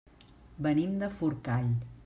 Venim de Forcall.